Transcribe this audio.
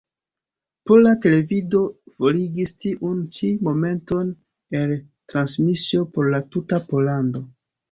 Pola Televido forigis tiun ĉi momenton el transmisio por la tuta Pollando.